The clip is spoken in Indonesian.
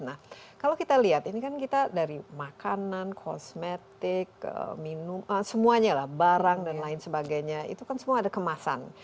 nah kalau kita lihat ini kan kita dari makanan kosmetik minum semuanya lah barang dan lain sebagainya itu kan semua ada kemasan